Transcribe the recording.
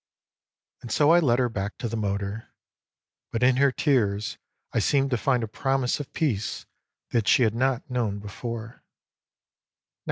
And so I led her back to the motor. But in her tears I seemed to find a promise of peace that she had not known before.